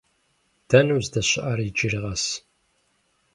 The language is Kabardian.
Дэнэ уздэщыӏар иджыри къэс?